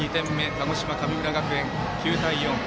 鹿児島、神村学園、９対４。